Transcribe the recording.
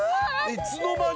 いつの間に。